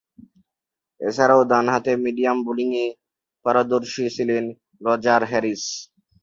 এছাড়াও, ডানহাতে মিডিয়াম বোলিংয়ে পারদর্শী ছিলেন রজার হ্যারিস।